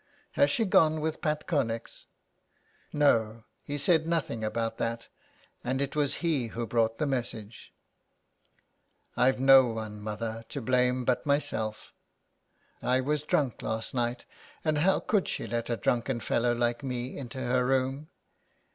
Has she gone with Pat Connex ?"" No, he said nothing about that, and it was he who brought the message." " I've no one, mother, to blame but myself. I was drunk last night, and how could she let a drunken fellow like me into her room."